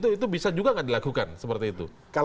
itu bisa juga tidak dilakukan seperti itu